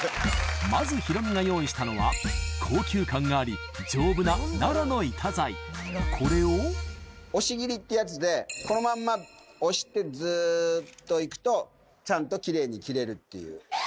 まずヒロミが用意したのは高級感があり丈夫なこれを押し切りってやつでこのまんま押してずっと行くとちゃんと奇麗に切れるっていう。